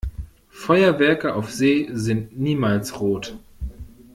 Feuerwerke auf See sind niemals rot.